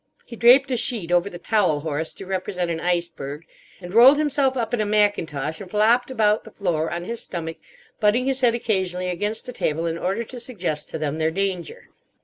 He draped a sheet over the towel horse to represent an iceberg, and rolled himself up in a mackintosh and flopped about the floor on his stomach, butting his head occasionally against the table in order to suggest to them their danger.